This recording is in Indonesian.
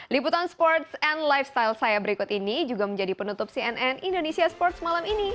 liputan sports and lifestyle saya berikut ini juga menjadi penutup cnn indonesia sports malam ini